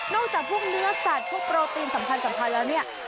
จากพวกเนื้อสัตว์พวกโปรตีนสำคัญแล้วเนี่ย